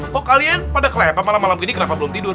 kok kalian pada kelepah malam malam gini kenapa belum tidur